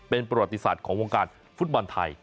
เป็นประวัติศาสตร์ของวงการฟุตบอลไทย